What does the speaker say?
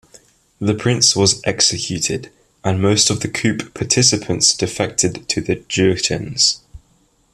The prince was executed, and most of the coup participants defected to the Jurchens.